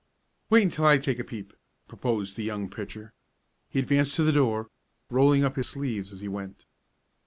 "Wait until I take a peep," proposed the young pitcher. He advanced to the door, rolling up his sleeves as he went.